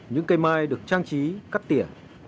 những cây mai được trang trí cắt tỉa